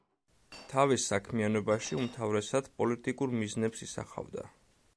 თავის საქმიანობაში უმთავრესად პოლიტიკურ მიზნებს ისახავდა.